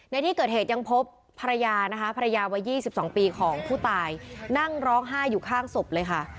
ในที่เกิดเหตุยังพบภรรยานะคะภรรยาวัย๒๒ปีของผู้ตายนั่งร้องไห้อยู่ข้างศพเลยค่ะ